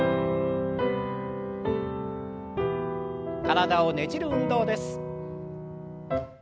体をねじる運動です。